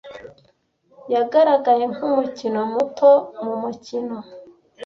Yagaragaye nkumukino muto mu mukino.